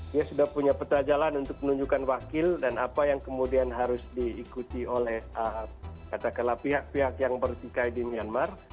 dia sudah punya peta jalan untuk menunjukkan wakil dan apa yang kemudian harus diikuti oleh katakanlah pihak pihak yang bertikai di myanmar